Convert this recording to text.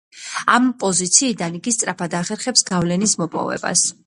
ამ პოზიციიდან იგი სწრაფად ახერხებს გავლენის მოპოვებას.